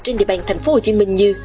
trên địa bàn thành phố hồ chí minh như